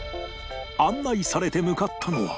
案内されて向かったのは